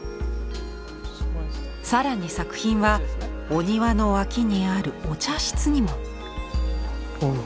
更に作品はお庭の脇にあるお茶室にも。